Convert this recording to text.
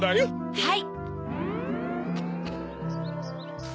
はい。